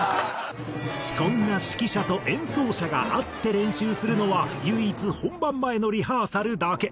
そんな指揮者と演奏者が会って練習するのは唯一本番前のリハーサルだけ。